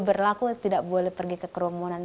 berlaku tidak boleh pergi ke kerumunan